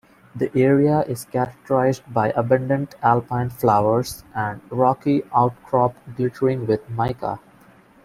The area is characterised by abundant alpine flowers and rocky outcrops glittering with mica.